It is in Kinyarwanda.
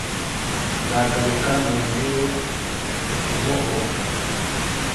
Nzagaruka nongeye kubohoka